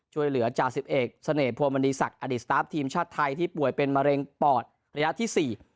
ช่วยเหลือจ่าสิบเอกเสน่หวงมณีศักดิ์อดีตสตาฟทีมชาติไทยที่ป่วยเป็นมะเร็งปอดระยะที่๔